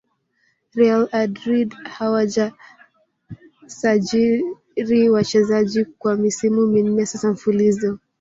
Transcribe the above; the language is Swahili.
real adrid hawajasajiri wachezaji kwa misimu minne sasa mfululizo